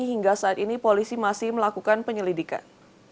hingga saat ini polisi masih melakukan penyelidikan